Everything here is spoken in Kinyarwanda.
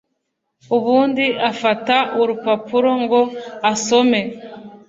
ubundi afata urupapuro ngo asome.